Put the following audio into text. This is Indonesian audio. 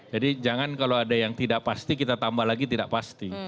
jadi jangan kalau ada yang tidak pasti kita tambah lagi tidak pasti